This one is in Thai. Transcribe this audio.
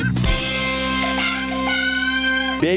สวัสดีครับ